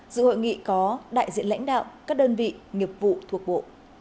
dự hội nghị có đại diện lãnh đạo các đơn vị nghiệp vụ thuộc bộ